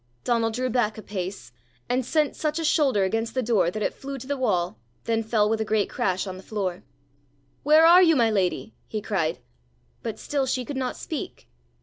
Donal drew back a pace, and sent such a shoulder against the door that it flew to the wall, then fell with a great crash on the floor. "Where are you, my lady?" he cried. But still she could not speak.